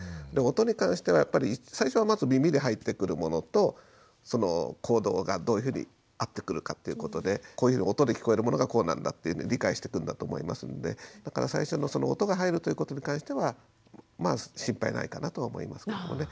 音に関してはやっぱり最初はまず耳で入ってくるものとその行動がどういうふうに合ってくるかということでこういうふうに音で聞こえるものがこうなんだっていうので理解していくんだと思いますのでだから最初の音が入るということに関してはまあ心配ないかなとは思いますけれどもね。